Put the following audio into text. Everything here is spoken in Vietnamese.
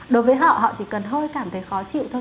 đối với họ họ chỉ cần hơi cảm thấy khó chịu thôi